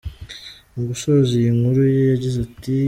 Mu gusoza iyi nkuru ye yagize ati ".